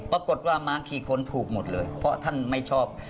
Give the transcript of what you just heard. ปรากฏว่ามากี่คนถูกหมดเลยเพราะท่านไม่ชอบ